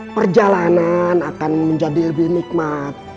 perjalanan akan menjadi lebih nikmat